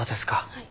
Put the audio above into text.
はい。